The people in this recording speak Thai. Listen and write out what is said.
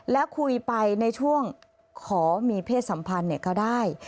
และคุยไปในช่วงขอมีเพศสัมพันธ์ก็ได้